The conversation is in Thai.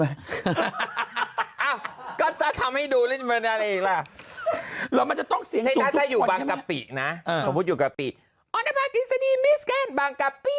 อ้าวก็จะทำให้ดูอะไรอีกละถ้าอยู่บางกะปินะผมพูดอยู่กะปิอร์นภาคกฤษฎีมิสแกล้นบางกะปิ